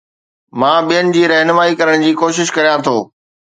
مان ٻين جي رهنمائي ڪرڻ جي ڪوشش ڪريان ٿو